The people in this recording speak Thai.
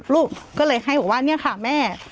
ลูกก็เลยให้บอกว่าเนี่ยค่ะแม่